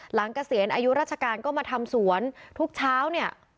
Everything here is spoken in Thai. เกษียณอายุราชการก็มาทำสวนทุกเช้าเนี่ย